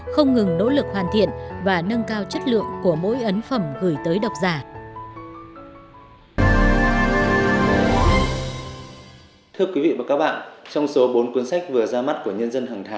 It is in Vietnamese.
không ngừng nỗ lực hoàn thiện và nâng cao chất lượng của mỗi ổn định